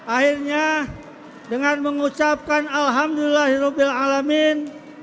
akhirnya dengan mengucapkan alhamdulillahirrohbilalamin